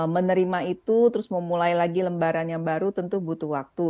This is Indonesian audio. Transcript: menerima itu terus memulai lagi lembaran yang baru tentu butuh waktu